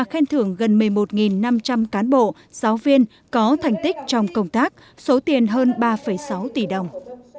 khen thưởng một mươi một năm trăm linh giáo viên có thành tích trong công tác số tiền hơn ba sáu tỷ đồng